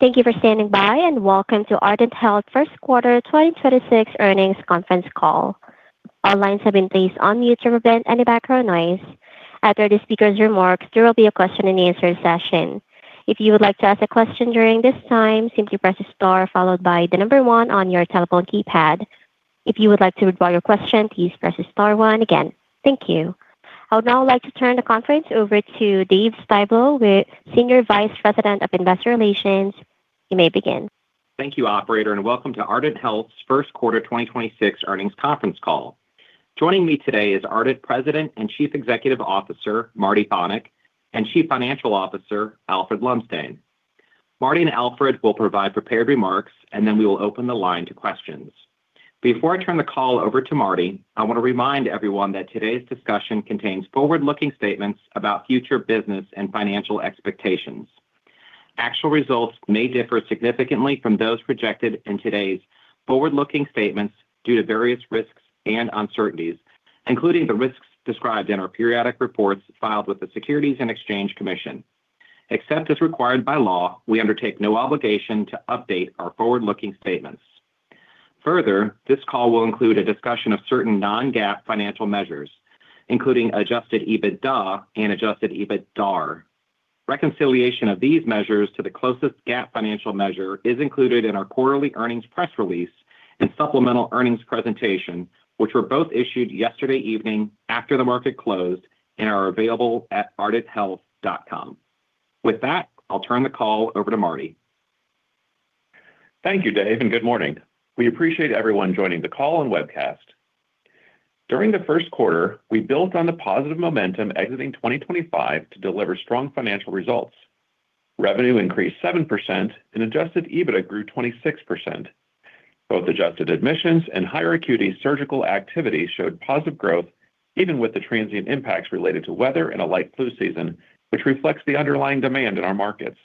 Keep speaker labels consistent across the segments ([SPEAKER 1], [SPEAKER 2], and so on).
[SPEAKER 1] Thank you for standing by. Welcome to Ardent Health first quarter 2026 earnings conference call. All lines have been placed on mute to prevent any background noise. After the speaker's remarks, there will be a question and answer session. If you would like to ask a question during this time, simply press star followed by the one on your telephone keypad. If you would like to withdraw your question, please press star one again. Thank you. I would now like to turn the conference over to Dave Styblo, the Senior Vice President of Investor Relations. You may begin.
[SPEAKER 2] Thank you, operator, and welcome to Ardent Health's first quarter 2026 earnings conference call. Joining me today is Ardent President and Chief Executive Officer, Marty Bonick, and Chief Financial Officer, Alfred Lumsdaine. Marty and Alfred will provide prepared remarks, and then we will open the line to questions. Before I turn the call over to Marty, I want to remind everyone that today's discussion contains forward-looking statements about future business and financial expectations. Actual results may differ significantly from those projected in today's forward-looking statements due to various risks and uncertainties, including the risks described in our periodic reports filed with the Securities and Exchange Commission. Except as required by law, we undertake no obligation to update our forward-looking statements. Further, this call will include a discussion of certain non-GAAP financial measures, including Adjusted EBITDA and Adjusted EBITDAR. Reconciliation of these measures to the closest GAAP financial measure is included in our quarterly earnings press release and supplemental earnings presentation, which were both issued yesterday evening after the market closed and are available at ardenthealth.com. With that, I'll turn the call over to Marty.
[SPEAKER 3] Thank you, Dave, and good morning. We appreciate everyone joining the call and webcast. During the first quarter, we built on the positive momentum exiting 2025 to deliver strong financial results. Revenue increased 7% and Adjusted EBITDA grew 26%. Both adjusted admissions and higher acuity surgical activity showed positive growth even with the transient impacts related to weather and a light flu season, which reflects the underlying demand in our markets.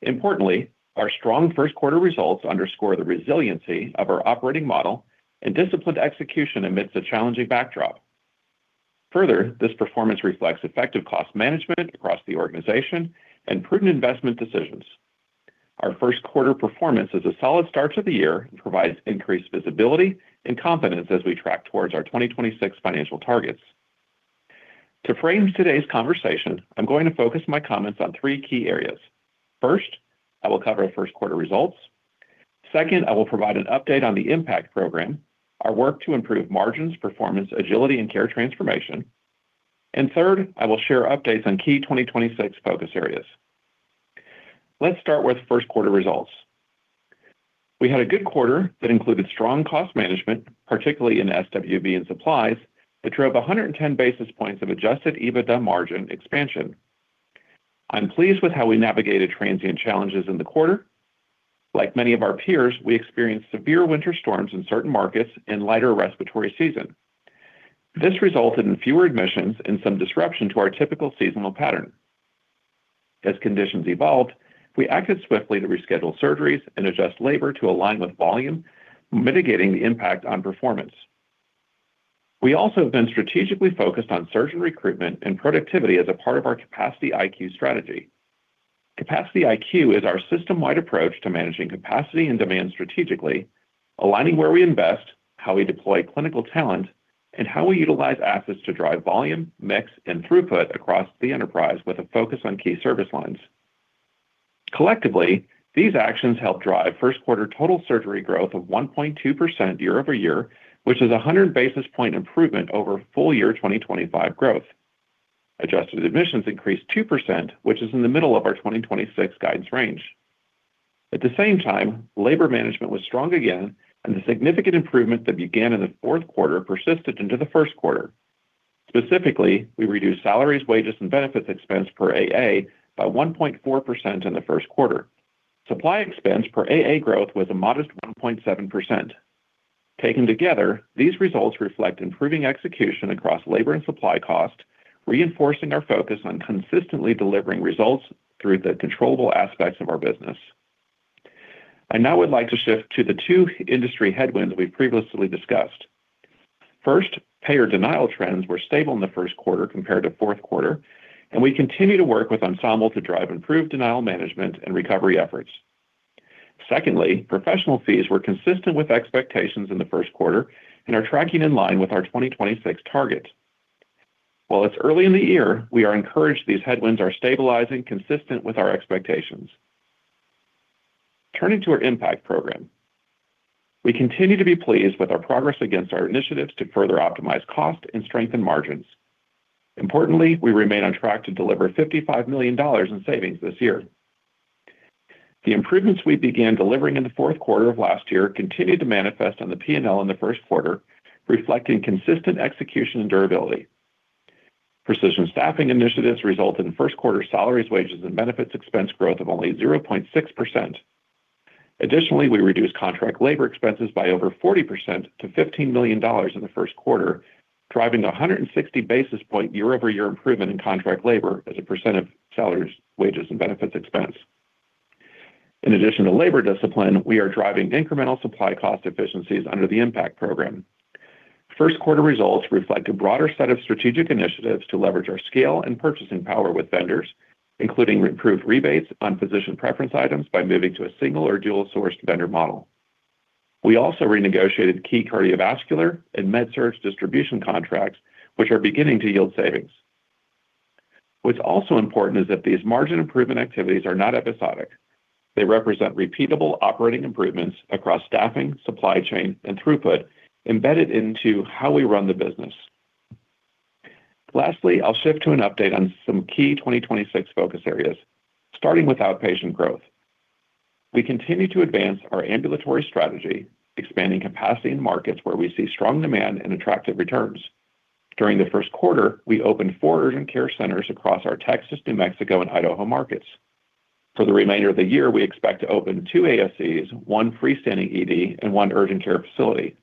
[SPEAKER 3] Importantly, our strong first quarter results underscore the resiliency of our operating model and disciplined execution amidst a challenging backdrop. Further, this performance reflects effective cost management across the organization and prudent investment decisions. Our first quarter performance is a solid start to the year and provides increased visibility and confidence as we track towards our 2026 financial targets. To frame today's conversation, I'm going to focus my comments on three key areas. First, I will cover our first quarter results. Second, I will provide an update on the IMPACT Program, our work to improve margins, performance, agility, and care transformation. Third, I will share updates on key 2026 focus areas. Let's start with first quarter results. We had a good quarter that included strong cost management, particularly in SWB and supplies, that drove 110 basis points of Adjusted EBITDA margin expansion. I'm pleased with how we navigated transient challenges in the quarter. Like many of our peers, we experienced severe winter storms in certain markets and lighter respiratory season. This resulted in fewer admissions and some disruption to our typical seasonal pattern. As conditions evolved, we acted swiftly to reschedule surgeries and adjust labor to align with volume, mitigating the impact on performance. We also have been strategically focused on surgeon recruitment and productivity as a part of our Capacity IQ strategy. Capacity IQ is our system-wide approach to managing capacity and demand strategically, aligning where we invest, how we deploy clinical talent, and how we utilize assets to drive volume, mix, and throughput across the enterprise with a focus on key service lines. Collectively, these actions helped drive first quarter total surgery growth of 1.2% year-over-year, which is a 100 basis point improvement over full year 2025 growth. Adjusted admissions increased 2%, which is in the middle of our 2026 guidance range. At the same time, labor management was strong again, and the significant improvement that began in the fourth quarter persisted into the first quarter. Specifically, we reduced salaries, wages, and benefits expense per AA by 1.4% in the first quarter. Supply expense per AA growth was a modest 1.7%. Taken together, these results reflect improving execution across labor and supply cost, reinforcing our focus on consistently delivering results through the controllable aspects of our business. I now would like to shift to the two industry headwinds we've previously discussed. Payer denial trends were stable in the first quarter compared to fourth quarter, and we continue to work with Ensemble to drive improved denial management and recovery efforts. Professional fees were consistent with expectations in the first quarter and are tracking in line with our 2026 target. While it's early in the year, we are encouraged these headwinds are stabilizing consistent with our expectations. Turning to our IMPACT Program. We continue to be pleased with our progress against our initiatives to further optimize cost and strengthen margins. Importantly, we remain on track to deliver $55 million in savings this year. The improvements we began delivering in the fourth quarter of last year continued to manifest on the P&L in the first quarter, reflecting consistent execution and durability. Precision Staffing initiatives resulted in first quarter salaries, wages, and benefits expense growth of only 0.6%. Additionally, we reduced contract labor expenses by over 40% to $15 million in the first quarter, driving a 160 basis points year-over-year improvement in contract labor as a percent of salaries, wages, and benefits expense. In addition to labor discipline, we are driving incremental supply cost efficiencies under the IMPACT Program. First quarter results reflect a broader set of strategic initiatives to leverage our scale and purchasing power with vendors, including improved rebates on physician preference items by moving to a single or dual-sourced vendor model. We also renegotiated key cardiovascular and med-surg distribution contracts, which are beginning to yield savings. What's also important is that these margin improvement activities are not episodic. They represent repeatable operating improvements across staffing, supply chain, and throughput embedded into how we run the business. Lastly, I'll shift to an update on some key 2026 focus areas, starting with outpatient growth. We continue to advance our ambulatory strategy, expanding capacity in markets where we see strong demand and attractive returns. During the first quarter, we opened four urgent care centers across our Texas, New Mexico, and Idaho markets. For the remainder of the year, we expect to open two ASCs, one freestanding ED, and one urgent care facility.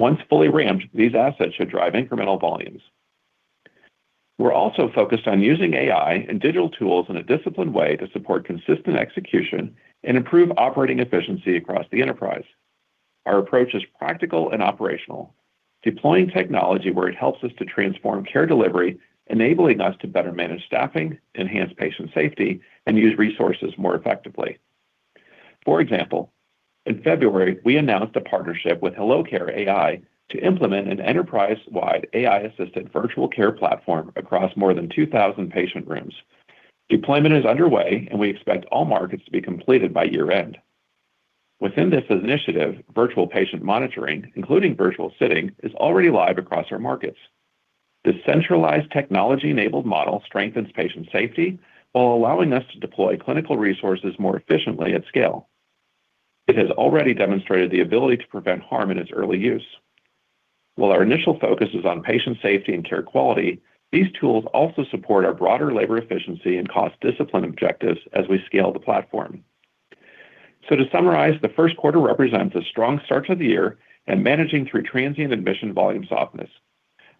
[SPEAKER 3] Once fully ramped, these assets should drive incremental volumes. We're also focused on using AI and digital tools in a disciplined way to support consistent execution and improve operating efficiency across the enterprise. Our approach is practical and operational, deploying technology where it helps us to transform care delivery, enabling us to better manage staffing, enhance patient safety, and use resources more effectively. For example, in February, we announced a partnership with hellocare.ai to implement an enterprise-wide AI-assisted virtual care platform across more than 2,000 patient rooms. Deployment is underway. We expect all markets to be completed by year-end. Within this initiative, virtual patient monitoring, including virtual sitting, is already live across our markets. This centralized technology-enabled model strengthens patient safety while allowing us to deploy clinical resources more efficiently at scale. It has already demonstrated the ability to prevent harm in its early use. While our initial focus is on patient safety and care quality, these tools also support our broader labor efficiency and cost discipline objectives as we scale the platform. To summarize, the first quarter represents a strong start to the year and managing through transient admission volume softness.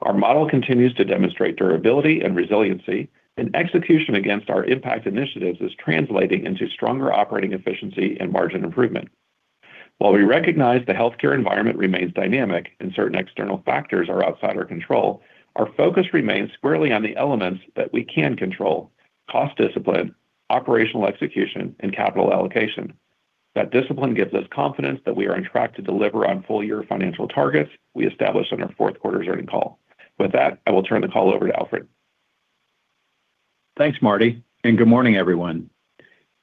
[SPEAKER 3] Our model continues to demonstrate durability and resiliency, and execution against our IMPACT initiatives is translating into stronger operating efficiency and margin improvement. While we recognize the healthcare environment remains dynamic and certain external factors are outside our control, our focus remains squarely on the elements that we can control: cost discipline, operational execution, and capital allocation. That discipline gives us confidence that we are on track to deliver on full year financial targets we established on our fourth quarter earnings call. With that, I will turn the call over to Alfred.
[SPEAKER 4] Thanks, Marty. Good morning, everyone.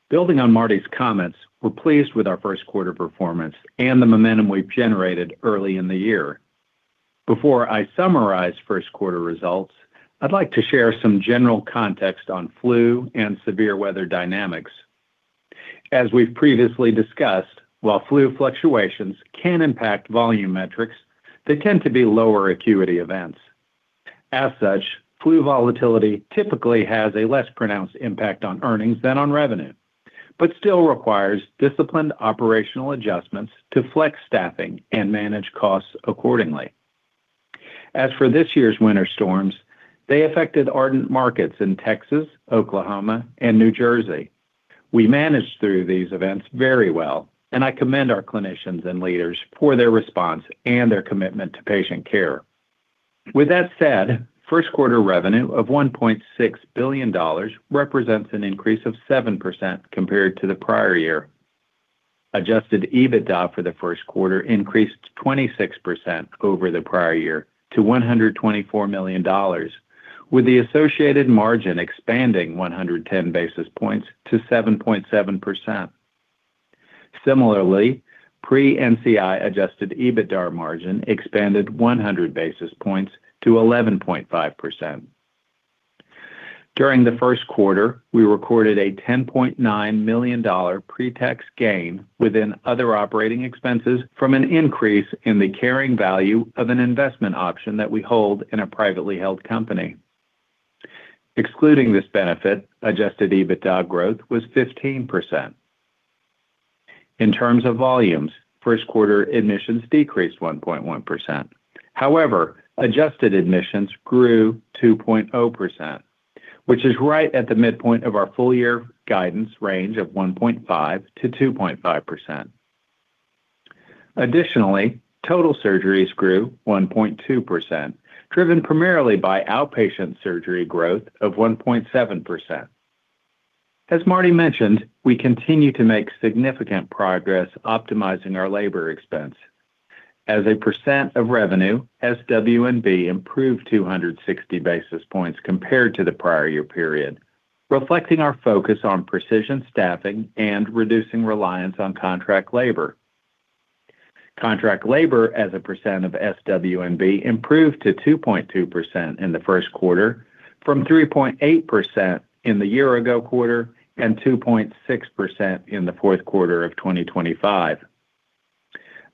[SPEAKER 4] Building on Marty's comments, we're pleased with our first quarter performance and the momentum we've generated early in the year. Before I summarize first quarter results, I'd like to share some general context on flu and severe weather dynamics. As we've previously discussed, while flu fluctuations can impact volume metrics, they tend to be lower acuity events. As such, flu volatility typically has a less pronounced impact on earnings than on revenue, but still requires disciplined operational adjustments to flex staffing and manage costs accordingly. As for this year's winter storms, they affected Ardent markets in Texas, Oklahoma, and New Jersey. We managed through these events very well, and I commend our clinicians and leaders for their response and their commitment to patient care. With that said, first quarter revenue of $1.6 billion represents an increase of 7% compared to the prior year. Adjusted EBITDA for the first quarter increased 26% over the prior year to $124 million, with the associated margin expanding 110 basis points to 7.7%. Similarly, pre-NCI Adjusted EBITDAR margin expanded 100 basis points to 11.5%. During the first quarter, we recorded a $10.9 million pre-tax gain within other operating expenses from an increase in the carrying value of an investment option that we hold in a privately held company. Excluding this benefit, Adjusted EBITDA growth was 15%. In terms of volumes, first quarter admissions decreased 1.1%. However, adjusted admissions grew 2.0%, which is right at the midpoint of our full year guidance range of 1.5%-2.5%. Additionally, total surgeries grew 1.2%, driven primarily by outpatient surgery growth of 1.7%. As Marty mentioned, we continue to make significant progress optimizing our labor expense. As a percent of revenue, SW&B improved 260 basis points compared to the prior year period, reflecting our focus on Precision Staffing and reducing reliance on contract labor. Contract labor as a percent of SW&B improved to 2.2% in the first quarter from 3.8% in the year ago quarter and 2.6% in the fourth quarter of 2025.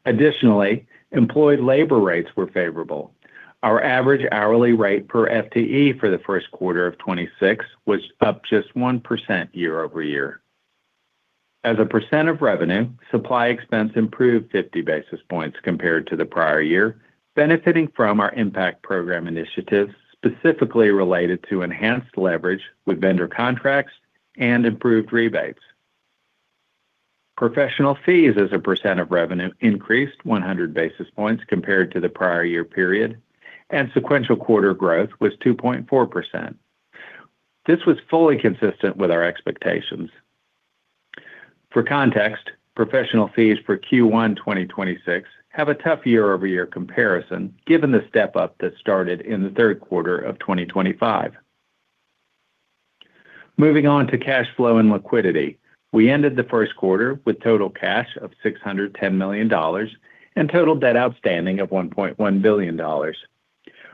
[SPEAKER 4] Additionally, employed labor rates were favorable. Our average hourly rate per FTE for the first quarter of 2026 was up just 1% year-over-year. As a % of revenue, supply expense improved 50 basis points compared to the prior year, benefiting from our IMPACT Program initiatives, specifically related to enhanced leverage with vendor contracts and improved rebates. Professional fees as a % of revenue increased 100 basis points compared to the prior year period. Sequential quarter growth was 2.4%. This was fully consistent with our expectations. For context, professional fees for Q1 2026 have a tough year-over-year comparison, given the step-up that started in the third quarter of 2025. Moving on to cash flow and liquidity. We ended the first quarter with total cash of $610 million and total debt outstanding of $1.1 billion.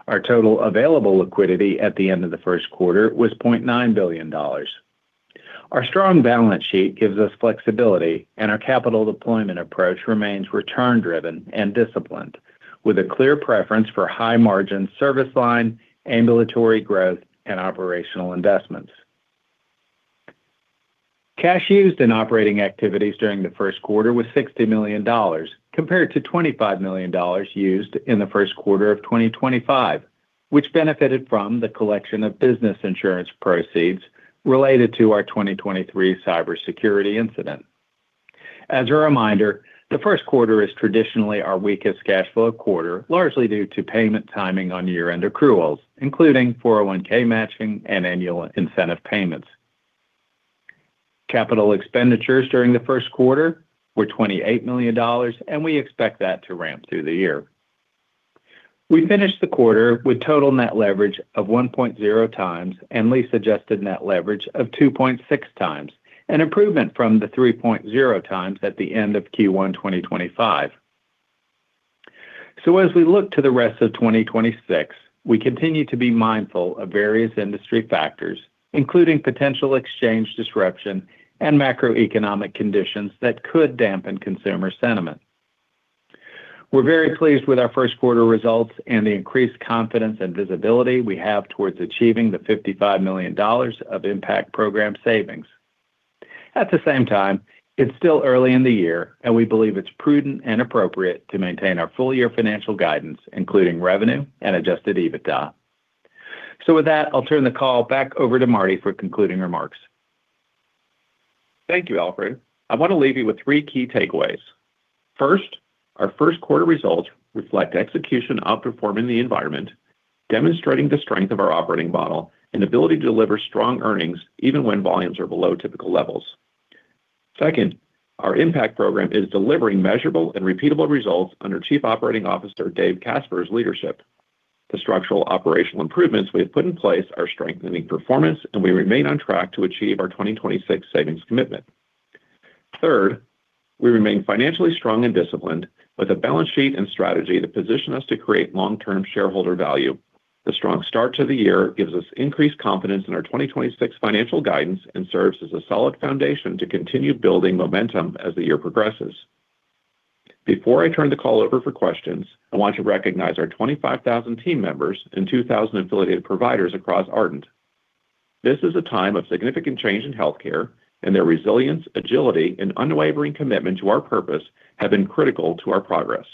[SPEAKER 4] Our total available liquidity at the end of the first quarter was $0.9 billion. Our strong balance sheet gives us flexibility, and our capital deployment approach remains return driven and disciplined, with a clear preference for high margin service line, ambulatory growth and operational investments. Cash used in operating activities during the first quarter was $60 million, compared to $25 million used in the first quarter of 2025, which benefited from the collection of business insurance proceeds related to our 2023 cybersecurity incident. As a reminder, the first quarter is traditionally our weakest cash flow quarter, largely due to payment timing on year-end accruals, including 401K matching and annual incentive payments. Capital expenditures during the first quarter were $28 million, and we expect that to ramp through the year. We finished the quarter with total net leverage of 1.0 times and lease-adjusted net leverage of 2.6 times, an improvement from the 3.0 times at the end of Q1 2025. As we look to the rest of 2026, we continue to be mindful of various industry factors, including potential exchange disruption and macroeconomic conditions that could dampen consumer sentiment. We are very pleased with our first quarter results and the increased confidence and visibility we have towards achieving the $55 million of IMPACT Program savings. At the same time, it is still early in the year, and we believe it is prudent and appropriate to maintain our full-year financial guidance, including revenue and Adjusted EBITDA. With that, I will turn the call back over to Marty for concluding remarks.
[SPEAKER 3] Thank you, Alfred. I want to leave you with three key takeaways. First, our first quarter results reflect execution outperforming the environment, demonstrating the strength of our operating model and ability to deliver strong earnings even when volumes are below typical levels. Second, our IMPACT Program is delivering measurable and repeatable results under Chief Operating Officer Dave Caspers' leadership. The structural operational improvements we have put in place are strengthening performance, and we remain on track to achieve our 2026 savings commitment. Third, we remain financially strong and disciplined with a balance sheet and strategy that position us to create long-term shareholder value. The strong start to the year gives us increased confidence in our 2026 financial guidance and serves as a solid foundation to continue building momentum as the year progresses. Before I turn the call over for questions, I want to recognize our 25,000 team members and 2,000 affiliated providers across Ardent. This is a time of significant change in healthcare, and their resilience, agility and unwavering commitment to our purpose have been critical to our progress.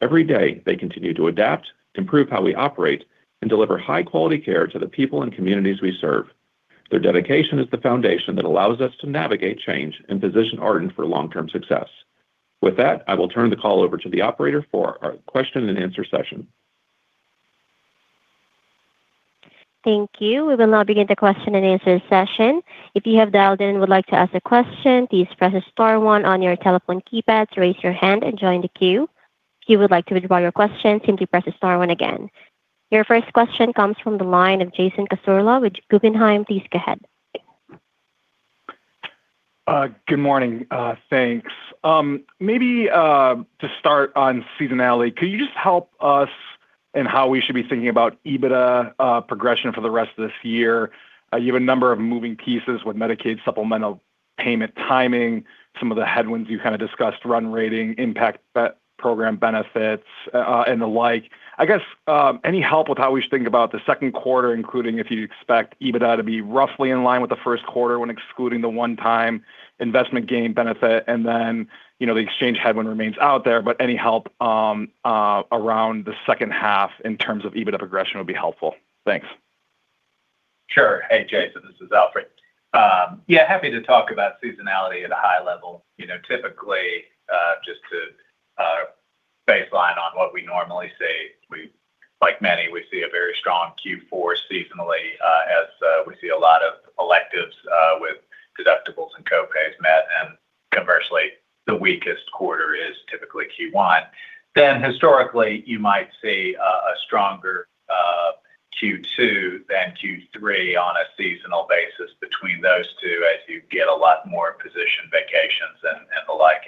[SPEAKER 3] Every day, they continue to adapt, improve how we operate, and deliver high-quality care to the people and communities we serve. Their dedication is the foundation that allows us to navigate change and position Ardent for long-term success. With that, I will turn the call over to the operator for our question and answer session.
[SPEAKER 1] Thank you. We will now begin the question and answer session. If you have dialed in and would like to ask a question, please press star one on your telephone keypad to raise your hand and join the queue. If you would like to withdraw your question, simply press star one again. Your first question comes from the line of Jason Cassorla with Guggenheim. Please go ahead.
[SPEAKER 5] Good morning. Thanks. Maybe, to start on seasonality, could you just help us in how we should be thinking about EBITDA progression for the rest of this year? You have a number of moving pieces with Medicaid supplemental payment timing, some of the headwinds you discussed, run rating, IMPACT Program benefits, and the like. I guess, any help with how we should think about the second quarter, including if you expect EBITDA to be roughly in line with the first quarter when excluding the one-time investment gain benefit. You know, the exchange headwind remains out there, but any help around the second half in terms of EBITDA progression would be helpful. Thanks.
[SPEAKER 4] Sure. Hey, Jason, this is Alfred. Yeah, happy to talk about seasonality at a high level. You know, typically, just to baseline on what we normally see, we, like many, we see a very strong Q4 seasonally, as we see a lot of electives, with deductibles and co-pays met. Conversely, the weakest quarter is typically Q1. Historically, you might see a stronger Q2 than Q3 on a seasonal basis between those two as you get a lot more position vacations and the like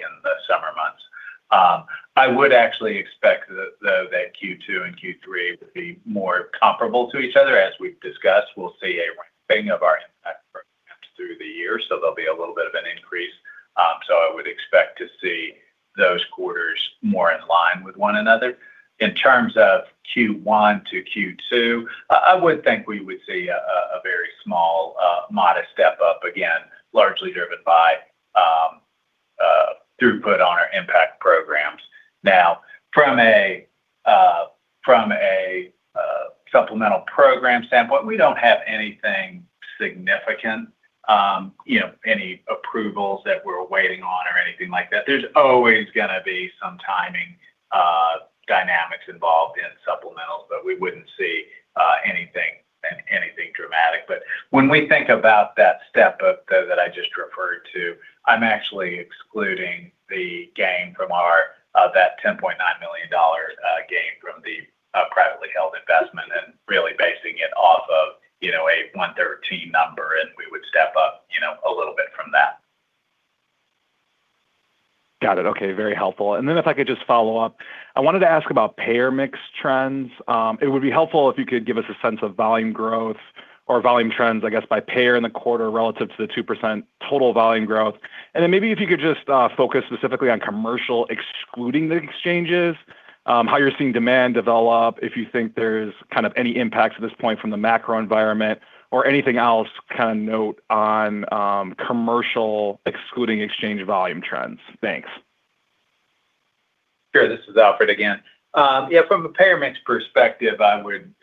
[SPEAKER 4] in the summer months. I would actually expect though that Q2 and Q3 to be more comparable to each other. As we've discussed, we'll see a ramping of our IMPACT Programs through the year, so there'll be a little bit of an increase. I would expect to see those quarters more in line with one another. In terms of Q1 to Q2, I would think we would see a very small, modest step up, again, largely driven by throughput on IMPACT Programs From a supplemental program standpoint, we don't have anything significant, you know, any approvals that we're waiting on or anything like that. There's always gonna be some timing dynamics involved in supplementals, but we wouldn't see anything dramatic. When we think about that step up though that I just referred to, I'm actually excluding the gain from our that $10.9 million gain from the privately held investment and really basing it off of, you know, a 113 number, and we would step up, you know, a little bit from that.
[SPEAKER 5] Got it. Okay. Very helpful. If I could just follow up. I wanted to ask about payer mix trends. It would be helpful if you could give us a sense of volume growth or volume trends, I guess, by payer in the quarter relative to the 2% total volume growth. Maybe if you could just focus specifically on commercial, excluding the exchanges, how you're seeing demand develop, if you think there's kind of any impacts at this point from the macro environment or anything else kind of note on commercial excluding exchange volume trends. Thanks.
[SPEAKER 4] Sure. This is Alfred again. Yeah, from a payer mix perspective, I would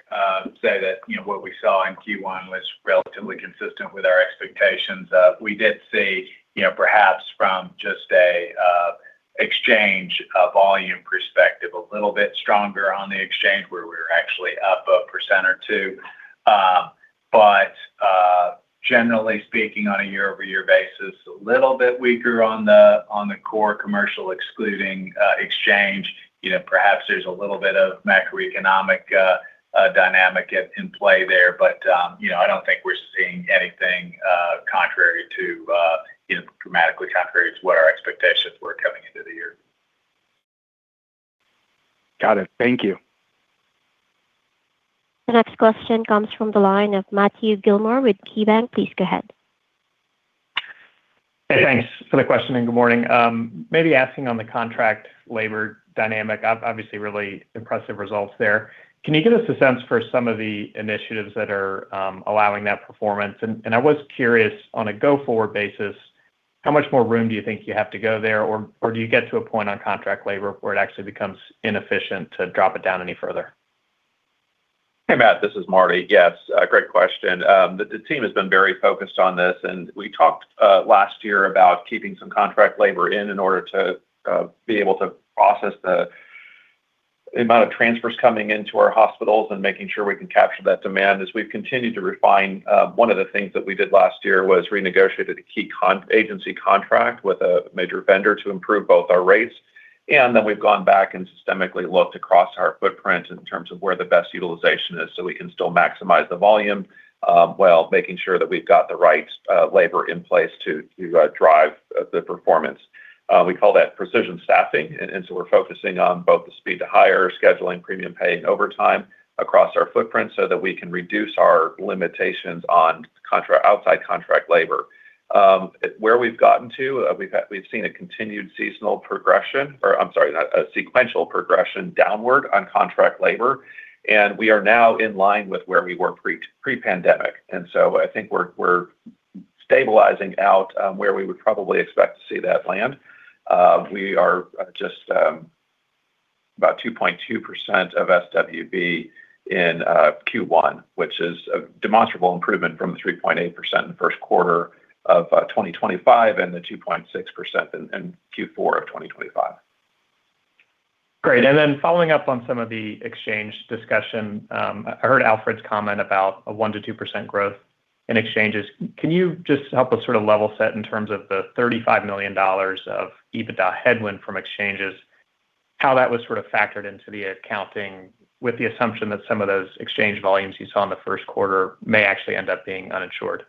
[SPEAKER 4] say that, you know, what we saw in Q1 was relatively consistent with our expectations. We did see, you know, perhaps from just a exchange volume perspective, a little bit stronger on the exchange where we're actually up 1% or 2%. Generally speaking, on a year-over-year basis, a little bit weaker on the core commercial excluding exchange. You know, perhaps there's a little bit of macroeconomic dynamic in play there, I don't think we're seeing anything contrary to, you know, dramatically contrary to what our expectations were coming into the year.
[SPEAKER 5] Got it. Thank you.
[SPEAKER 1] The next question comes from the line of Matthew Gillmor with KeyBanc. Please go ahead.
[SPEAKER 6] Hey, thanks for the question, and good morning. Maybe asking on the contract labor dynamic, obviously really impressive results there. Can you give us a sense for some of the initiatives that are allowing that performance? I was curious, on a go-forward basis, how much more room do you think you have to go there? Do you get to a point on contract labor where it actually becomes inefficient to drop it down any further?
[SPEAKER 3] Hey, Matthew Gillmor, this is Marty Bonick. Yes, a great question. The team has been very focused on this, and we talked last year about keeping some contract labor in order to be able to process the amount of transfers coming into our hospitals and making sure we can capture that demand. As we've continued to refine, one of the things that we did last year was renegotiated a key agency contract with a major vendor to improve both our rates. We've gone back and systemically looked across our footprint in terms of where the best utilization is, so we can still maximize the volume, while making sure that we've got the right labor in place to drive the performance. We call that Precision Staffing. We're focusing on both the speed to hire, scheduling, premium pay, and overtime across our footprint so that we can reduce our limitations on contract, outside contract labor. Where we've gotten to, we've seen a continued seasonal progression, or I'm sorry, a sequential progression downward on contract labor, and we are now in line with where we were pre-pandemic. I think we're stabilizing out, where we would probably expect to see that land. We are just about 2.2% of SWB in Q1, which is a demonstrable improvement from the 3.8% in the first quarter of 2025 and the 2.6% in Q4 of 2025.
[SPEAKER 6] Great. Following up on some of the exchange discussion, I heard Alfred's comment about a 1%-2% growth in exchanges. Can you just help us sort of level set in terms of the $35 million of EBITDA headwind from exchanges, how that was sort of factored into the accounting with the assumption that some of those exchange volumes you saw in the first quarter may actually end up being uninsured?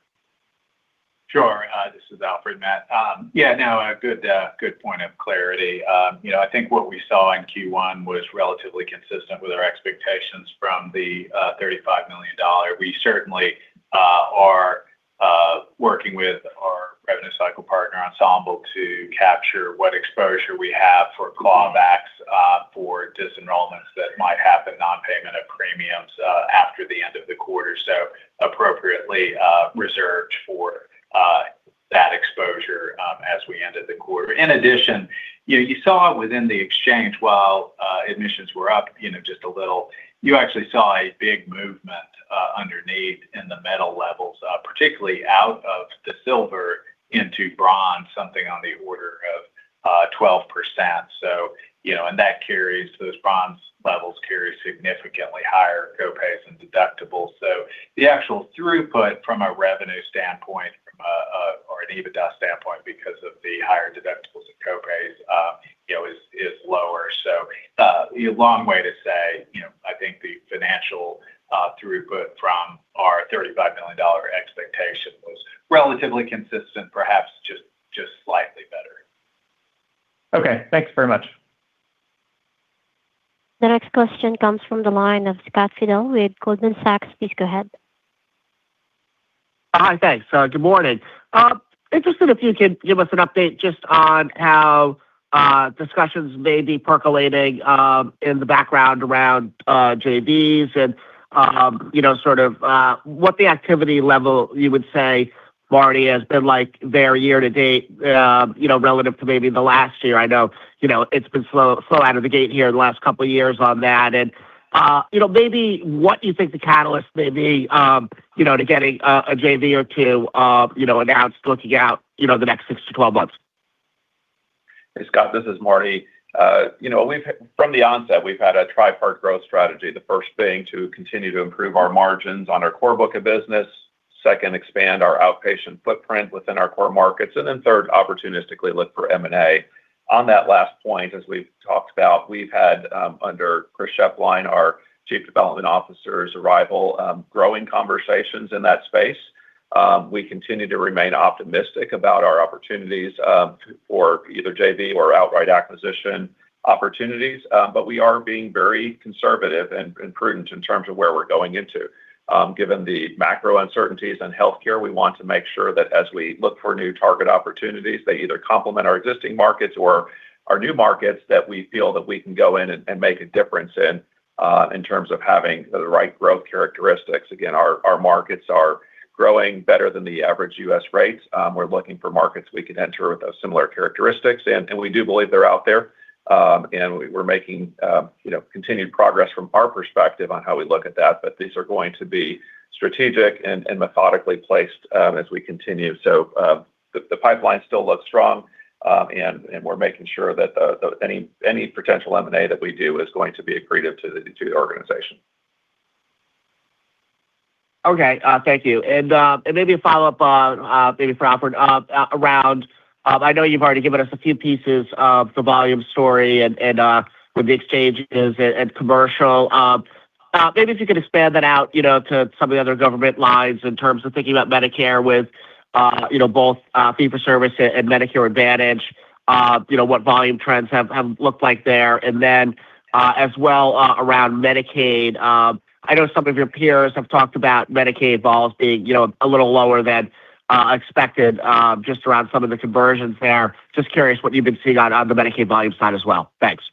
[SPEAKER 4] Sure. This is Alfred, Matt. A good point of clarity. You know, I think what we saw in Q1 was relatively consistent with our expectations from the $35 million. We certainly are working with our revenue cycle partner, Ensemble, to capture what exposure we have for clawbacks, for disenrollments that might happen, non-payment of premiums, after the end of the quarter, so appropriately reserved for that exposure as we ended the quarter. In addition, you saw within the exchange, while admissions were up, you know, just a little, you actually saw a big movement underneath in the metal levels, particularly out of the silver into bronze, something on the order of 12%. You know, those bronze levels carry significantly higher co-pays and deductibles. The actual throughput from a revenue standpoint, from a or an EBITDA standpoint because of the higher deductibles and co-pays, you know, is lower. A long way to say, you know, I think the financial throughput from our $35 million expectation was relatively consistent, perhaps just slightly better.
[SPEAKER 6] Okay. Thanks very much.
[SPEAKER 1] The next question comes from the line of Scott Fidel with Goldman Sachs. Please go ahead.
[SPEAKER 7] Hi. Thanks. Good morning. Interested if you could give us an update just on how discussions may be percolating in the background around JVs and, you know, sort of what the activity level you would say, Marty, has been like there year to date, you know, relative to maybe the last year. I know, you know, it's been slow out of the gate here the last couple of years on that. You know, maybe what you think the catalyst may be, you know, to getting a JV or two, you know, announced looking out, you know, the next six to 12 months?
[SPEAKER 3] Scott, this is Marty Bonick. You know, from the onset, we've had a tripart growth strategy. The first being to continue to improve our margins on our core book of business. Second, expand our outpatient footprint within our core markets. Third, opportunistically look for M&A. On that last point, as we've talked about, we've had, under Chris Schoeplein, our Chief Development Officer's arrival, growing conversations in that space. We continue to remain optimistic about our opportunities for either JV or outright acquisition opportunities. We are being very conservative and prudent in terms of where we're going into. Given the macro uncertainties in healthcare, we want to make sure that as we look for new target opportunities, they either complement our existing markets or are new markets that we feel that we can go in and make a difference in terms of having the right growth characteristics. Again, our markets are growing better than the average U.S. rates. We're looking for markets we can enter with those similar characteristics, and we do believe they're out there. And we're making, you know, continued progress from our perspective on how we look at that, but these are going to be strategic and methodically placed as we continue. The pipeline still looks strong, and we're making sure that any potential M&A that we do is going to be accretive to the organization.
[SPEAKER 7] Okay. Thank you. Maybe a follow-up, maybe for Alfred, around, I know you've already given us a few pieces of the volume story and with the exchanges and commercial. Maybe if you could expand that out, you know, to some of the other government lines in terms of thinking about Medicare with, you know, both fee-for-service and Medicare Advantage, you know, what volume trends have looked like there? As well, around Medicaid. I know some of your peers have talked about Medicaid vols being, you know, a little lower than expected, just around some of the conversions there. Just curious what you've been seeing on the Medicaid volume side as well. Thanks.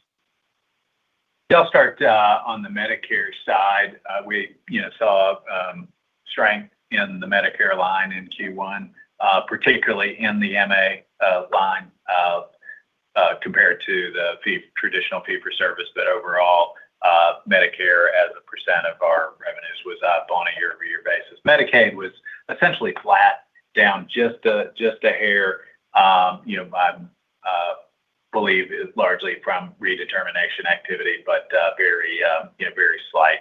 [SPEAKER 4] Yeah, I'll start on the Medicare side. We, you know, saw strength in the Medicare line in Q1, particularly in the MA line, compared to the traditional fee-for-service. Overall, Medicare as a % of our revenues was up on a year-over-year basis. Medicaid was essentially flat down just a hair. I believe is largely from redetermination activity, but very, you know, very slight.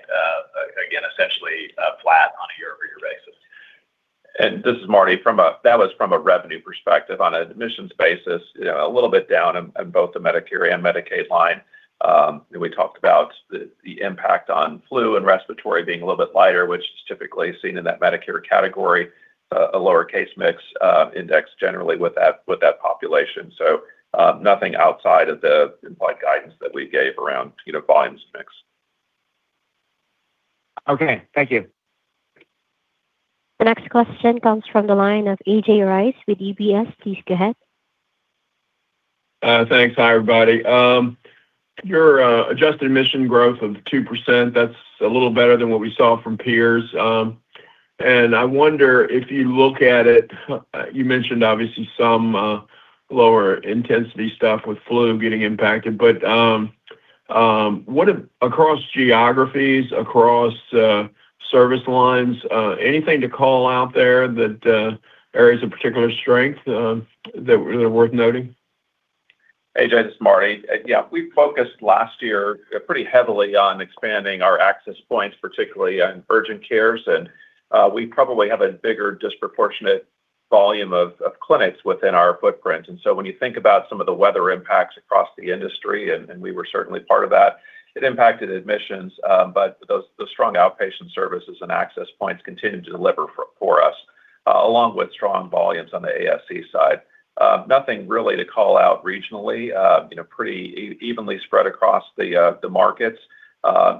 [SPEAKER 4] Again, essentially flat on a year-over-year basis.
[SPEAKER 3] This is Marty. That was from a revenue perspective. On admissions basis, you know, a little bit down in both the Medicare and Medicaid line. We talked about the impact on flu and respiratory being a little bit lighter, which is typically seen in that Medicare category, a lower case mix index generally with that population. Nothing outside of the implied guidance that we gave around, you know, volumes mix.
[SPEAKER 7] Okay. Thank you.
[SPEAKER 1] The next question comes from the line of A.J. Rice with UBS. Please go ahead.
[SPEAKER 8] Thanks. Hi, everybody. Your adjusted admission growth of 2%, that's a little better than what we saw from peers. I wonder if you look at it, you mentioned obviously some lower intensity stuff with flu getting impacted. What are across geographies, across service lines, anything to call out there that areas of particular strength that are worth noting?
[SPEAKER 3] A.J., this is Marty. Yeah, we focused last year, pretty heavily on expanding our access points, particularly in urgent cares and we probably have a bigger disproportionate volume of clinics within our footprint. When you think about some of the weather impacts across the industry, and we were certainly part of that, it impacted admissions. The strong outpatient services and access points continued to deliver for us, along with strong volumes on the ASC side. Nothing really to call out regionally. You know, pretty evenly spread across the markets.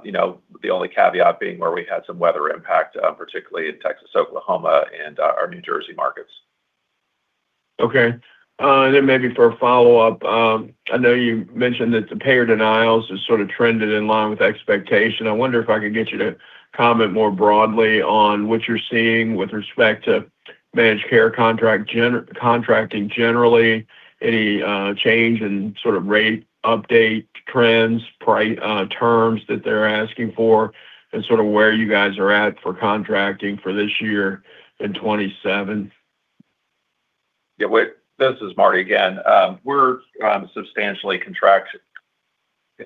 [SPEAKER 3] You know, the only caveat being where we had some weather impact, particularly in Texas, Oklahoma, and our New Jersey markets.
[SPEAKER 8] Maybe for a follow-up, I know you mentioned that the payer denials has sort of trended in line with expectation. I wonder if I could get you to comment more broadly on what you're seeing with respect to managed care contracting generally, any change in sort of rate update trends, price, terms that they're asking for, and sort of where you guys are at for contracting for this year in 2027?
[SPEAKER 3] Yeah. Wait, this is Marty again. We're substantially contracted.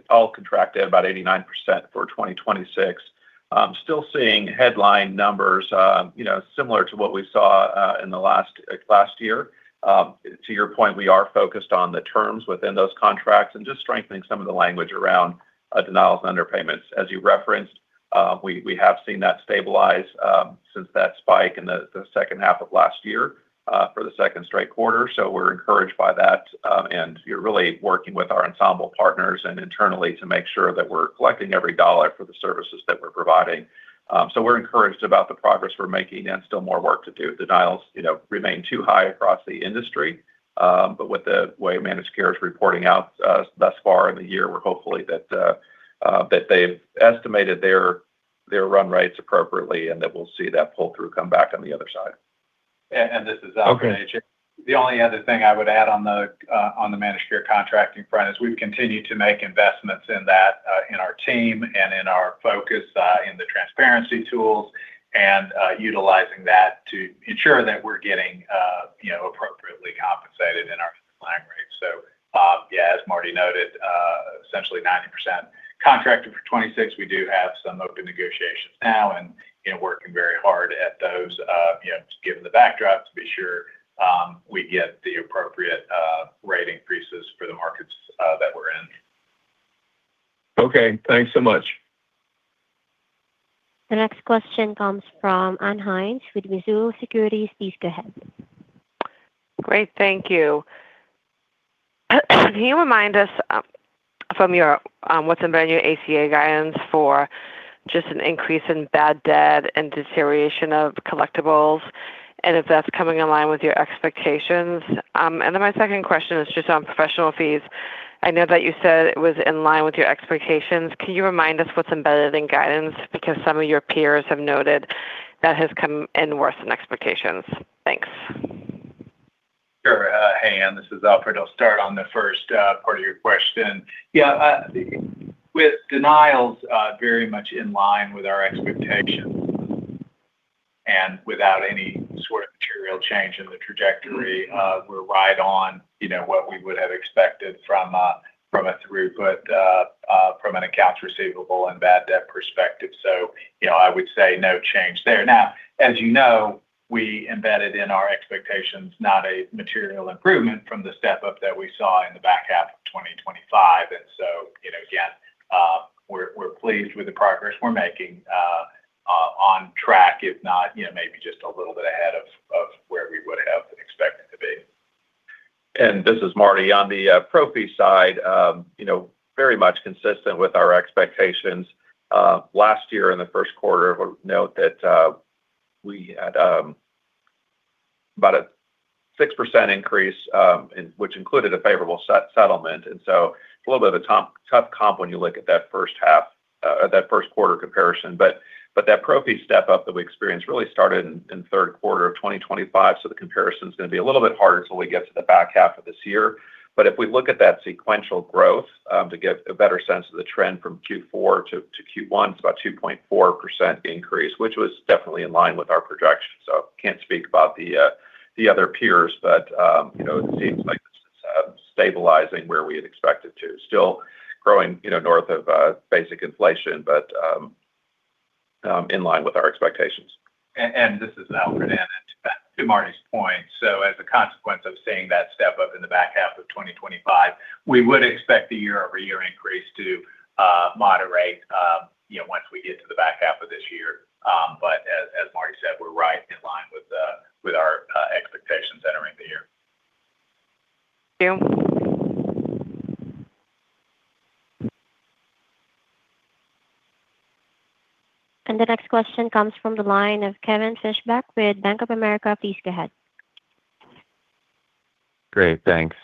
[SPEAKER 3] All contracted about 89% for 2026. Still seeing headline numbers, you know, similar to what we saw in the last year. To your point, we are focused on the terms within those contracts and just strengthening some of the language around denials and underpayments. As you referenced, we have seen that stabilize since that spike in the second half of last year for the second straight quarter. We're encouraged by that, and you're really working with our Ensemble Health Partners and internally to make sure that we're collecting every dollar for the services that we're providing. We're encouraged about the progress we're making and still more work to do. Denials, you know, remain too high across the industry. With the way managed care is reporting out, thus far in the year, we're hopefully that they've estimated their run rates appropriately and that we'll see that pull-through come back on the other side.
[SPEAKER 4] And, and this is Alfred, A.J.
[SPEAKER 8] Okay.
[SPEAKER 4] The only other thing I would add on the on the managed care contracting front is we've continued to make investments in that in our team and in our focus in the transparency tools. Utilizing that to ensure that we're getting, you know, appropriately compensated in our client rates. Yeah, as Marty noted, essentially 90% contracted for 2026. We do have some open negotiations now, and, you know, working very hard at those, you know, given the backdrop, to be sure, we get the appropriate rate increases for the markets that we're in.
[SPEAKER 8] Okay. Thanks so much.
[SPEAKER 1] The next question comes from Ann Hynes with Mizuho Securities. Please go ahead.
[SPEAKER 9] Great. Thank you. Can you remind us, from your, what's in brand new ACA guidance for just an increase in bad debt and deterioration of collectibles, and if that's coming in line with your expectations? My second question is just on professional fees. I know that you said it was in line with your expectations. Can you remind us what's embedded in guidance? Because some of your peers have noted that has come in worse than expectations. Thanks.
[SPEAKER 4] Sure. Hey, Ann, this is Alfred. I'll start on the first part of your question. Yeah, with denials, very much in line with our expectations and without any sort of material change in the trajectory. We're right on, you know, what we would have expected from a throughput, from an accounts receivable and bad debt perspective. You know, I would say no change there. Now, as you know, we embedded in our expectations not a material improvement from the step-up that we saw in the back half of 2025. You know, again, we're pleased with the progress we're making on track, if not, you know, maybe just a little bit ahead of where we would have expected to be.
[SPEAKER 3] This is Marty. On the pro fee side, you know, very much consistent with our expectations. Last year in the 1st quarter, I would note that we had about a 6% increase, which included a favorable settlement. So it's a little bit of a tough comp when you look at that 1st half or that 1st quarter comparison. That pro fee step-up that we experienced really started in 3rd quarter of 2025, so the comparison's going to be a little bit harder till we get to the back half of this year. If we look at that sequential growth to get a better sense of the trend from Q4 to Q1, it's about a 2.4% increase, which was definitely in line with our projections. can't speak about the other peers, but, you know, it seems like this is stabilizing where we had expected to. Still growing, you know, north of basic inflation, but, in line with our expectations.
[SPEAKER 4] This is Alfred. To Marty's point, as a consequence of seeing that step-up in the back half of 2025, we would expect the year-over-year increase to moderate, you know, once we get to the back half of this year. As Marty said, we're right in line with our expectations entering the year.
[SPEAKER 9] Thank you.
[SPEAKER 1] The next question comes from the line of Kevin Fischbeck with Bank of America. Please go ahead.
[SPEAKER 10] Great. Thanks.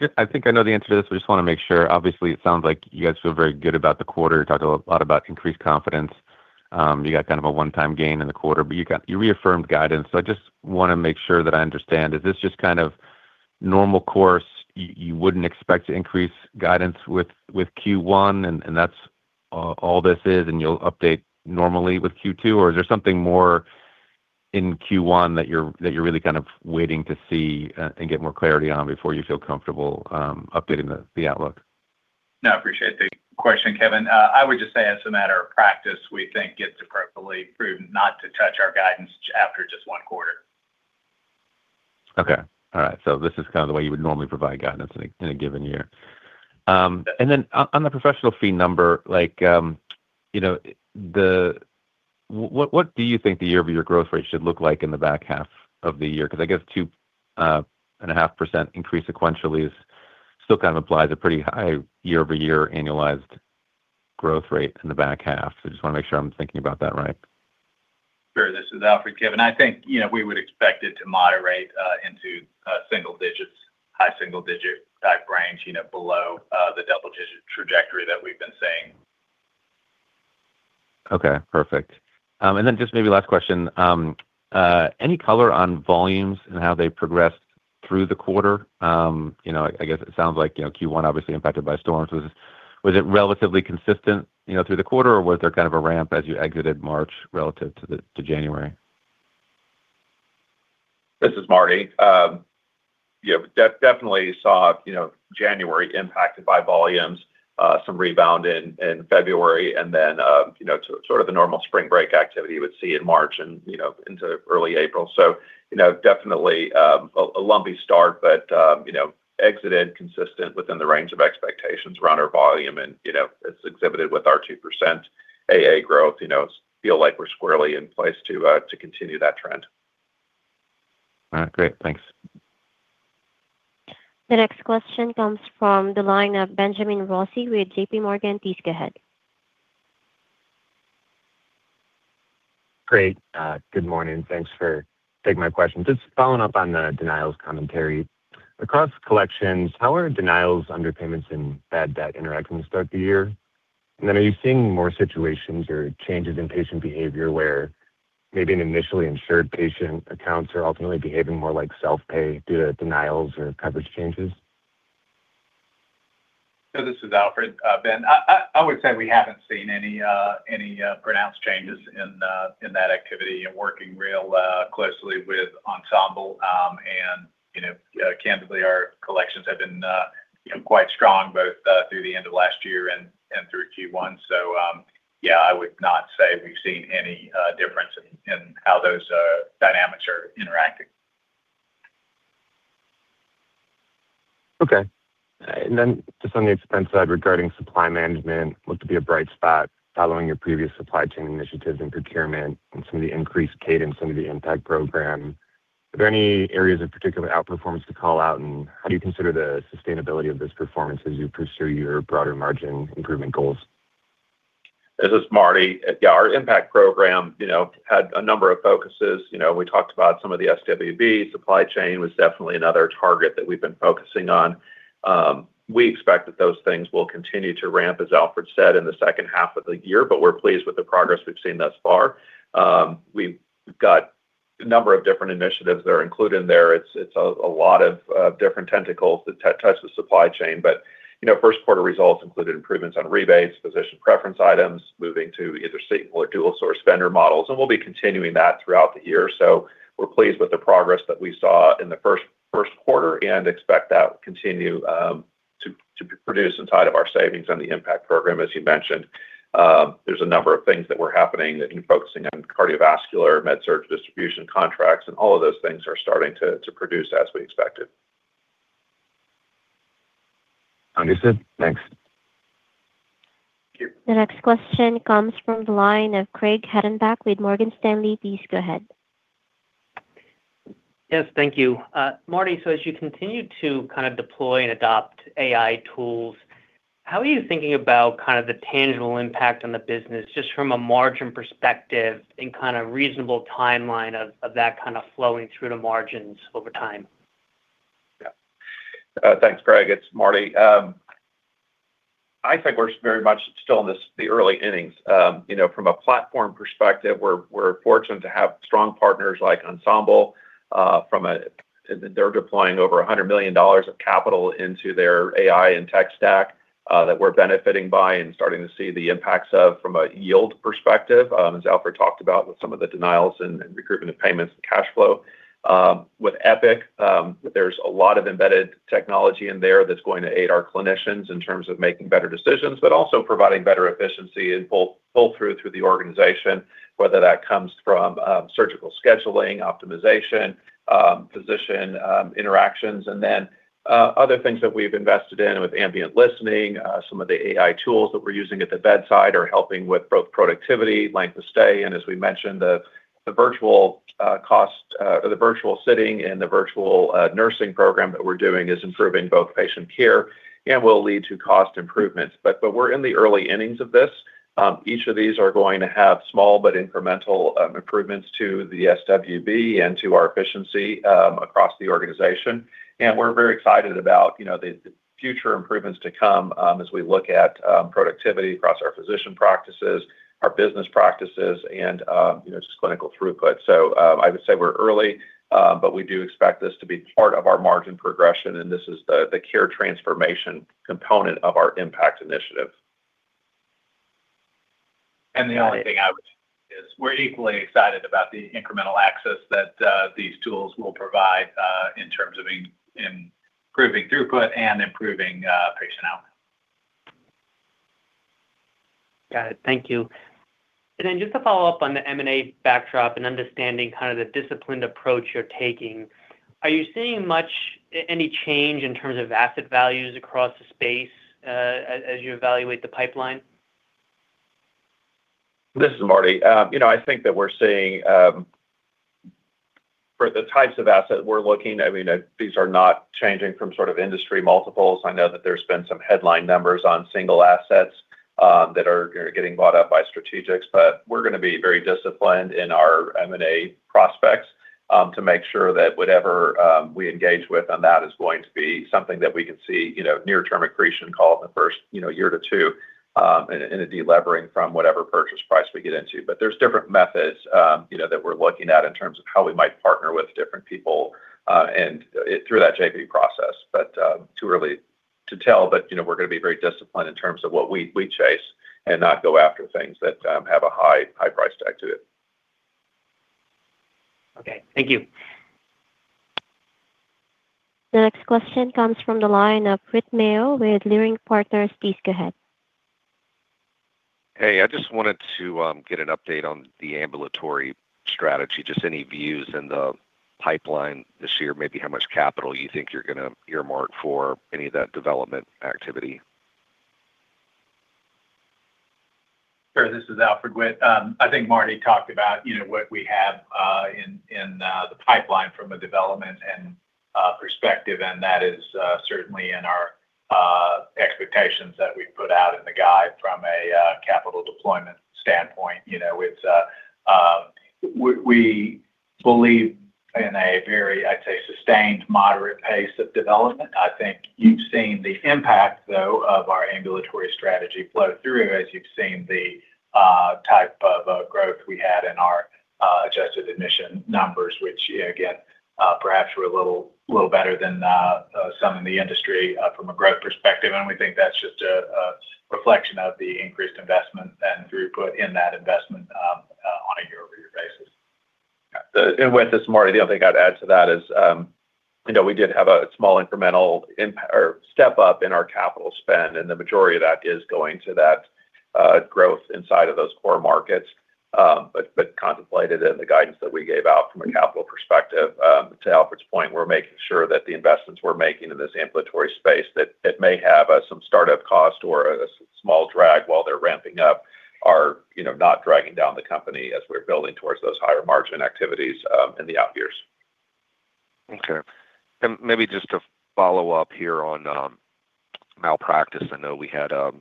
[SPEAKER 10] Just I think I know the answer to this, but just want to make sure. Obviously, it sounds like you guys feel very good about the quarter. You talked a lot about increased confidence. You got kind of a one-time gain in the quarter, but you reaffirmed guidance. I just want to make sure that I understand. Is this just kind of normal course? You wouldn't expect to increase guidance with Q1, and that's all this is, and you'll update normally with Q2? Is there something more in Q1 that you're really kind of waiting to see and get more clarity on before you feel comfortable updating the outlook?
[SPEAKER 4] No, I appreciate the question, Kevin. I would just say as a matter of practice, we think it's appropriately prudent not to touch our guidance after just 1 quarter.
[SPEAKER 10] Okay. All right. This is kind of the way you would normally provide guidance in a given year. And then on the professional fee number, like, you know, what do you think the year-over-year growth rate should look like in the back half of the year? I guess 2 1/2% increase sequentially is still kind of implies a pretty high year-over-year annualized growth rate in the back half. I just want to make sure I'm thinking about that right.
[SPEAKER 4] Sure. This is Alfred. Kevin, I think, you know, we would expect it to moderate into single digits, high single digit type range, you know, below the double digit trajectory that we've been saying.
[SPEAKER 10] Okay. Perfect. Just maybe last question. Any color on volumes and how they progressed through the quarter? I guess it sounds like Q1 obviously impacted by storms. Was it relatively consistent through the quarter, or was there kind of a ramp as you exited March relative to the, to January?
[SPEAKER 3] This is Marty. Definitely saw, you know, January impacted by volumes, some rebound in February and then, you know, sort of the normal spring break activity you would see in March and, you know, into early April. You know, definitely a lumpy start, but, you know, exited consistent within the range of expectations around our volume and, you know, as exhibited with our 2% AA growth. You know, feel like we're squarely in place to continue that trend.
[SPEAKER 10] All right. Great. Thanks.
[SPEAKER 1] The next question comes from the line of Benjamin Rossi with JPMorgan. Please go ahead.
[SPEAKER 11] Great. Good morning. Thanks for taking my questions. Just following up on the denials commentary. Across collections, how are denials, underpayments, and bad debt interacting to start the year? Are you seeing more situations or changes in patient behavior where maybe an initially insured patient accounts are ultimately behaving more like self-pay due to denials or coverage changes?
[SPEAKER 4] This is Alfred, Ben. I would say we haven't seen any pronounced changes in that activity and working real closely with Ensemble. You know, candidly, our collections have been, you know, quite strong both through the end of last year and through Q1. Yeah, I would not say we've seen any difference in how those dynamics are interacting.
[SPEAKER 11] Okay. Just on the expense side regarding supply management, looked to be a bright spot following your previous supply chain initiatives and procurement and some of the increased cadence under the IMPACT Program. Are there any areas of particular outperformance to call out, and how do you consider the sustainability of this performance as you pursue your broader margin improvement goals?
[SPEAKER 3] This is Marty. Yeah, our IMPACT Program, you know, had a number of focuses. You know, we talked about some of the SWB. Supply chain was definitely another target that we've been focusing on. We expect that those things will continue to ramp, as Alfred said, in the second half of the year, but we're pleased with the progress we've seen thus far. We've got a number of different initiatives that are included in there. It's a lot of different tentacles that touch the supply chain. You know, first quarter results included improvements on rebates, physician preference items, moving to either single or dual source vendor models, and we'll be continuing that throughout the year. We're pleased with the progress that we saw in the first quarter and expect that will continue to produce inside of our savings on the IMPACT Program, as you mentioned. There's a number of things that were happening in focusing on cardiovascular med-surg distribution contracts, and all of those things are starting to produce as we expected.
[SPEAKER 11] Understood. Thanks.
[SPEAKER 4] Thank you.
[SPEAKER 1] The next question comes from the line of Craig Hettenbach with Morgan Stanley. Please go ahead.
[SPEAKER 12] Yes, thank you. Marty, as you continue to kind of deploy and adopt AI tools, how are you thinking about kind of the tangible impact on the business, just from a margin perspective and kind of reasonable timeline of that kind of flowing through the margins over time?
[SPEAKER 3] Yeah. Thanks, Craig. It's Marty. I think we're very much still in the early innings. You know, from a platform perspective, we're fortunate to have strong partners like Ensemble. They're deploying over $100 million of capital into their AI and tech stack that we're benefiting by and starting to see the impacts of from a yield perspective, as Alfred talked about with some of the denials and recruitment of payments and cash flow. With Epic, there's a lot of embedded technology in there that's going to aid our clinicians in terms of making better decisions, but also providing better efficiency and pull through the organization, whether that comes from surgical scheduling, optimization, physician interactions. Other things that we've invested in with ambient listening, some of the AI tools that we're using at the bedside are helping with both productivity, length of stay. As we mentioned, the virtual cost or the virtual sitting and the virtual nursing program that we're doing is improving both patient care and will lead to cost improvements. We're in the early innings of this. Each of these are going to have small but incremental improvements to the SWB and to our efficiency across the organization. We're very excited about, you know, the future improvements to come as we look at productivity across our physician practices, our business practices and, you know, just clinical throughput. I would say we're early, but we do expect this to be part of our margin progression, and this is the care transformation component of our IMPACT Program initiative.
[SPEAKER 12] Got it.
[SPEAKER 4] The only thing I would is we're equally excited about the incremental access that these tools will provide in terms of improving throughput and improving patient output.
[SPEAKER 12] Got it. Thank you. Then just to follow up on the M&A backdrop and understanding kind of the disciplined approach you're taking, are you seeing any change in terms of asset values across the space, as you evaluate the pipeline?
[SPEAKER 3] This is Marty. You know, I think that we're seeing for the types of assets we're looking, I mean, these are not changing from sort of industry multiples. I know that there's been some headline numbers on single assets that are getting bought up by strategics. We're going to be very disciplined in our M&A prospects to make sure that whatever we engage with on that is going to be something that we can see, you know, near term accretion call it the first year to two in a delevering from whatever purchase price we get into. There's different methods, you know, that we're looking at in terms of how we might partner with different people and through that JV process. Too early to tell. You know, we're gonna be very disciplined in terms of what we chase and not go after things that have a high price tag to it.
[SPEAKER 12] Okay. Thank you.
[SPEAKER 1] The next question comes from the line of Whit Mayo with Leerink Partners. Please go ahead.
[SPEAKER 13] Hey, I just wanted to get an update on the ambulatory strategy. Just any views in the pipeline this year, maybe how much capital you think you're gonna earmark for any of that development activity.
[SPEAKER 4] Sure. This is Alfred Lumsdaine. I think Marty talked about, you know, what we have in the pipeline from a development and perspective, and that is certainly in our expectations that we put out in the guide from a capital deployment standpoint. You know, it's we believe in a very, I'd say, sustained moderate pace of development. I think you've seen the impact, though, of our ambulatory strategy flow through as you've seen the growth we had in our adjusted admission numbers, which again, perhaps were a little better than some in the industry from a growth perspective. We think that's just a reflection of the increased investment and throughput in that investment on a year-over-year basis.
[SPEAKER 3] Whit, this is Marty, the other thing I'd add to that is, you know, we did have a small incremental step up in our capital spend. The majority of that is going to that growth inside of those core markets. Contemplated in the guidance that we gave out from a capital perspective, to Alfred Lumsdaine's point, we're making sure that the investments we're making in this ambulatory space, that it may have some startup cost or a small drag while they're ramping up are, you know, not dragging down the company as we're building towards those higher margin activities in the out years.
[SPEAKER 13] Okay. Maybe just to follow up here on malpractice. I know we had a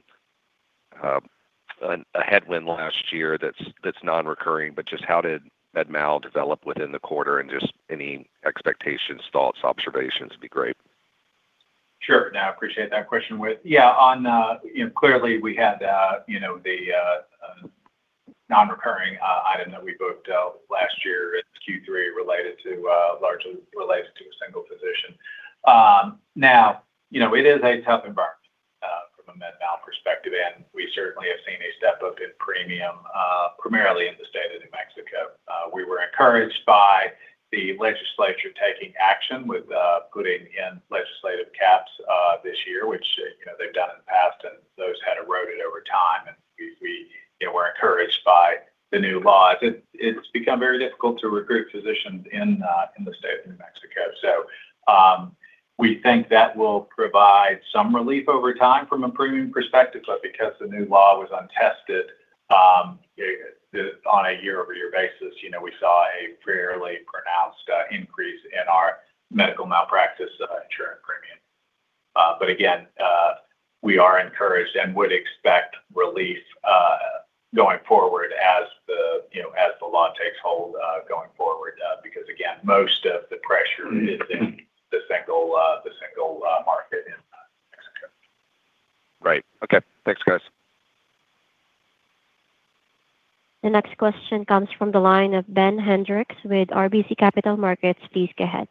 [SPEAKER 13] headwind last year that's non-recurring, but just how did medmal develop within the quarter and just any expectations, thoughts, observations would be great.
[SPEAKER 4] Sure. No, appreciate that question, Whit. Yeah, on, clearly we had, the non-recurring item that we booked last year at Q3 related to largely related to a single physician. Now, it is a tough environment from a medmal perspective, and we certainly have seen a step-up in premium primarily in the state of New Mexico. We were encouraged by the legislature taking action with putting in legislative caps this year, which they've done in the past, and those had eroded over time. We were encouraged by the new laws. It's become very difficult to recruit physicians in the state of New Mexico. We think that will provide some relief over time from a premium perspective, but because the new law was untested, on a year-over-year basis, you know, we saw a fairly pronounced increase in our medical malpractice insurance premium. But again, we are encouraged and would expect relief going forward as the, you know, as the law takes hold going forward. Because again, most of the pressure is in the single, the single market in New Mexico.
[SPEAKER 13] Great. Okay. Thanks, guys.
[SPEAKER 1] The next question comes from the line of Ben Hendrix with RBC Capital Markets. Please go ahead.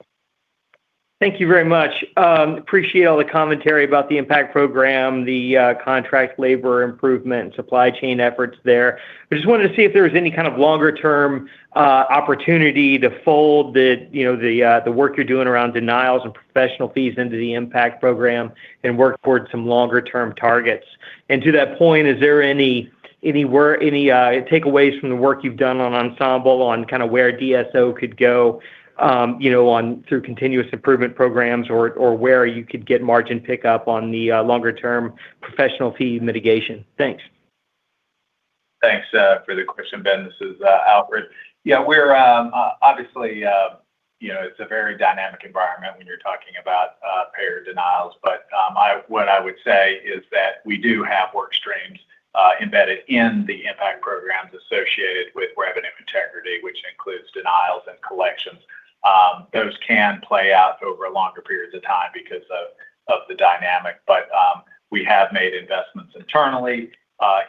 [SPEAKER 14] Thank you very much. Appreciate all the commentary about the IMPACT Program, the contract labor improvement, supply chain efforts there. I just wanted to see if there was any kind of longer term opportunity to fold the, you know, the work you're doing around denials and professional fees into the IMPACT Program and work towards some longer term targets. To that point, is there any takeaways from the work you've done on Ensemble on kind of where DSO could go, you know, on through continuous improvement programs or where you could get margin pickup on the longer term professional fee mitigation? Thanks.
[SPEAKER 4] Thanks for the question, Ben. This is Alfred. Yeah, we're obviously, you know, it's a very dynamic environment when you're talking about payer denials. What I would say is that we do have work streams embedded in the IMPACT Program associated with revenue integrity, which includes denials and collections. Those can play out over longer periods of time because of the dynamic. We have made investments internally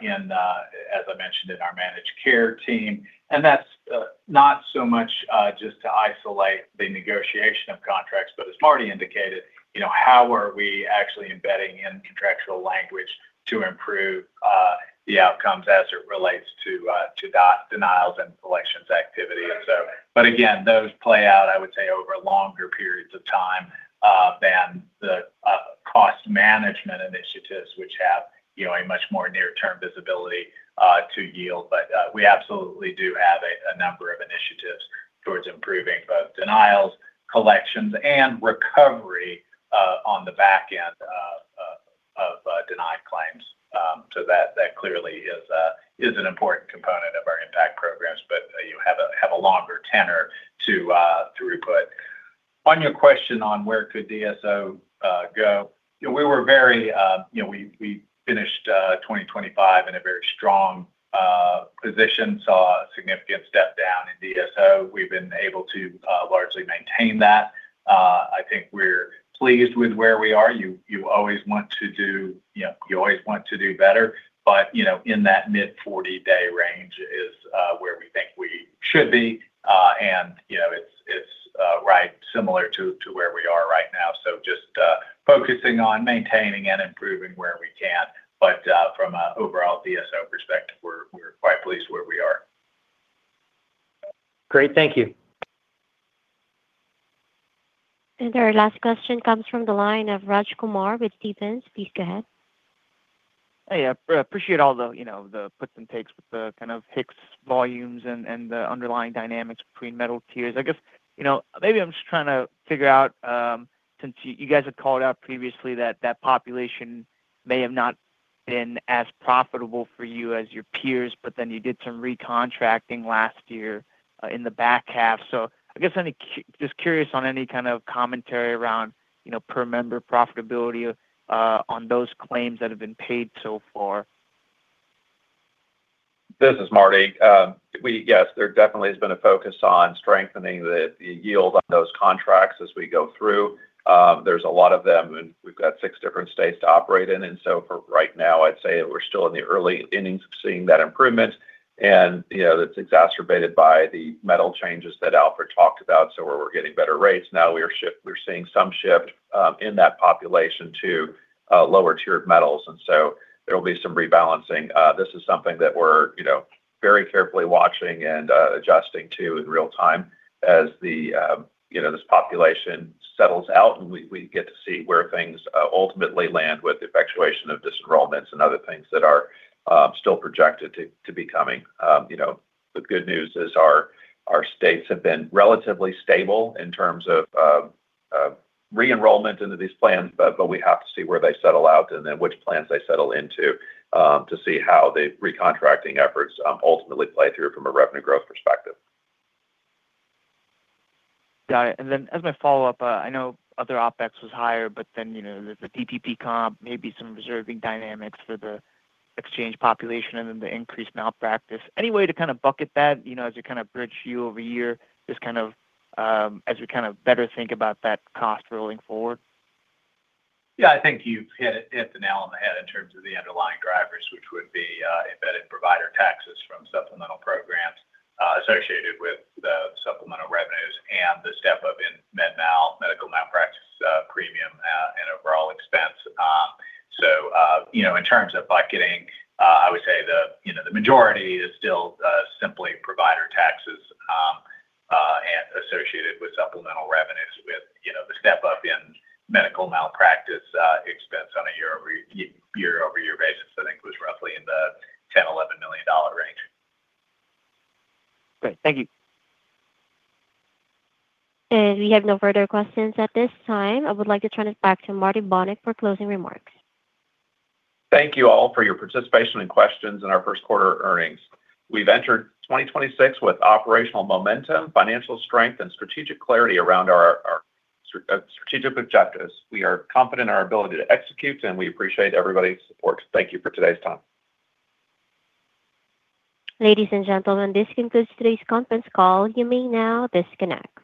[SPEAKER 4] in, as I mentioned, in our managed care team. That's not so much just to isolate the negotiation of contracts, but as Marty indicated, you know, how are we actually embedding in contractual language to improve the outcomes as it relates to denials and collections activity. But again, those play out, I would say, over longer periods of time than the cost management initiatives, which have, you know, a much more near-term visibility to yield. We absolutely do have a number of initiatives towards improving both denials, collections, and recovery on the back end of denied claims. That clearly is an important component of our IMPACT Program, but you have a longer tenor to throughput. On your question on where could DSO go, you know, we were very, you know, we finished 2025 in a very strong position, saw a significant step down in DSO. We've been able to largely maintain that. I think we're pleased with where we are. You always want to do, you know, you always want to do better. You know, in that mid-40-day range is where we think we should be. You know, it's right similar to where we are right now. Just focusing on maintaining and improving where we can. From a overall DSO perspective, we're quite pleased where we are.
[SPEAKER 14] Great. Thank you.
[SPEAKER 1] Our last question comes from the line of Raj Kumar with Stephens. Please go ahead.
[SPEAKER 15] Hey, I appreciate all the, you know, the puts and takes with the kind of HIX volumes and the underlying dynamics between metal tiers. I guess, you know, maybe I'm just trying to figure out, since you guys have called out previously that that population may have not been as profitable for you as your peers, but then you did some recontracting last year, in the back half. I guess just curious on any kind of commentary around, you know, per member profitability, on those claims that have been paid so far.
[SPEAKER 3] This is Marty. We, yes, there definitely has been a focus on strengthening the yield on those contracts as we go through. There's a lot of them, and we've got six different states to operate in. For right now, I'd say that we're still in the early innings of seeing that improvement. You know, that's exacerbated by the metal changes that Alfred talked about. Where we're getting better rates now, we're seeing some shift in that population to lower tiered metals. There will be some rebalancing. This is something that we're, you know, very carefully watching and adjusting to in real time as the, you know, this population settles out, and we get to see where things ultimately land with the effectuation of disenrollments and other things that are still projected to be coming. You know, the good news is our states have been relatively stable in terms of re-enrollment into these plans, but we have to see where they settle out and then which plans they settle into to see how the recontracting efforts ultimately play through from a revenue growth perspective.
[SPEAKER 15] Got it. As my follow-up, I know other OpEx was higher, but then, you know, there's a DPP comp, maybe some reserving dynamics for the exchange population, and then the increased malpractice. Any way to kind of bucket that, you know, as you kind of bridge year-over-year, just kind of, as we kind of better think about that cost rolling forward?
[SPEAKER 4] Yeah, I think you've hit the nail on the head in terms of the underlying drivers, which would be embedded provider taxes from supplemental programs associated with the supplemental revenues and the step up in medmal, medical malpractice, premium and overall expense. In terms of bucketing, I would say the majority is still simply provider taxes and associated with supplemental revenues with the step up in medical malpractice expense on a year-over-year basis, I think was roughly in the $10 million-$11 million range.
[SPEAKER 15] Great. Thank you.
[SPEAKER 1] We have no further questions at this time. I would like to turn us back to Marty Bonick for closing remarks.
[SPEAKER 3] Thank you all for your participation and questions in our first quarter earnings. We've entered 2026 with operational momentum, financial strength, and strategic clarity around our strategic objectives. We are confident in our ability to execute. We appreciate everybody's support. Thank you for today's time.
[SPEAKER 1] Ladies and gentlemen, this concludes today's conference call. You may now disconnect.